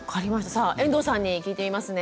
さあ遠藤さんに聞いてみますね。